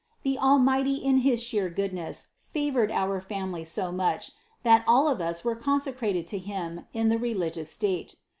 The Almighty in his sheer goodness favored our family so much, that all of us were consecrated to Him in the religious state.